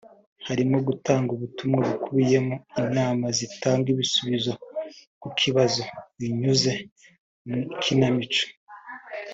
harimo gutanga ubutumwa bukubiyemo inama zitanga ibisubizo ku kibazo binyuze mu ikinamico